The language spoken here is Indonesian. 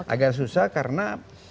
agak susah karena